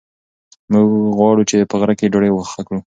موږ غواړو چې په غره کې ډوډۍ پخه کړو.